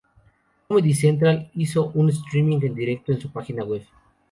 Comedy Central hizo un streaming en directo en su página web.